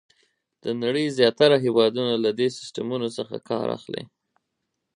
د نړۍ زیاتره هېوادونه له دې سیسټمونو څخه کار اخلي.